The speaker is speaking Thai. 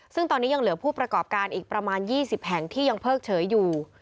ซึ่งตอนนี้ยังเหลือผู้ประกอบการอีกประมาณ๒๐แห่งที่ยังเพิกเฉยอยู่